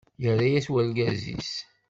Yerra-as urgaz-is.